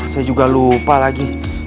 saya juga lupa lagi